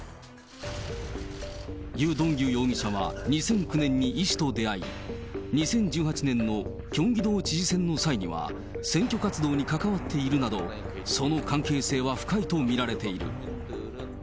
ユ・ドンギュ容疑者は、２００９年にイ氏と出会い、２０１８年のキョンギ道知事選の際には、選挙活動に関わっているなど、その関係性は深いと見られている。